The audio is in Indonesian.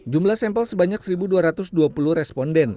jumlah sampel sebanyak satu dua ratus dua puluh responden